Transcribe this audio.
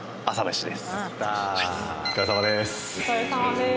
お疲れさまです。